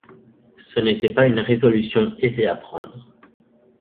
Ce n'était pas une résolution aisée à prendre.